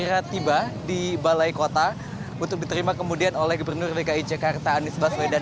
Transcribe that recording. segera tiba di balai kota untuk diterima kemudian oleh gubernur dki jakarta anies baswedan